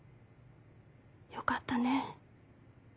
良かったね」。